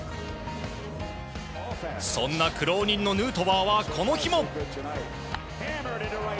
そんな苦労人のヌートバーはこの日も。